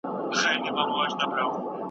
چي تا ته در روان يم يو عالم راسره درومي